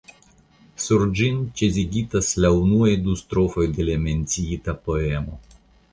Sur ĝin ĉizigitis la unuaj du strofoj de la menciita poemo.